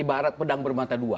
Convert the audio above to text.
ibarat pedang bermata dua